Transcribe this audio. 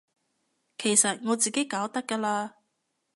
其實我自己搞得㗎喇